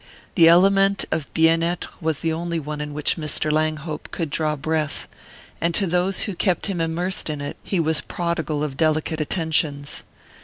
The element of bien être was the only one in which Mr. Langhope could draw breath; and to those who kept him immersed in it he was prodigal of delicate attentions.